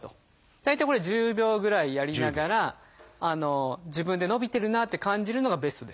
大体これ１０秒ぐらいやりながら自分で伸びてるなあって感じるのがベストです。